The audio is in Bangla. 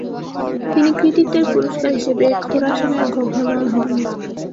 তিনি কৃত্বিত্বের পুরস্কার হিসেবে খোরাসানের গভর্নর হন।